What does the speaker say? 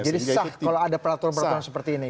jadi sah kalau ada peraturan peraturan seperti ini